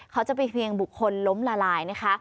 เขาจะไปเพียงบุคคลล้มละลาย